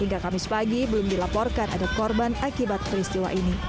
hingga kamis pagi belum dilaporkan ada korban akibat peristiwa ini